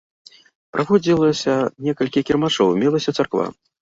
Праводзілася некалькі кірмашоў, мелася царква.